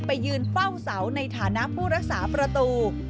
ไปยืนเฝ้าเสาในฐานะผู้รักษาประตู